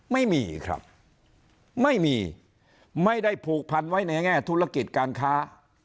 ไม่มีครับไม่มีไม่ได้ผูกพันไว้ในแง่ธุรกิจการค้า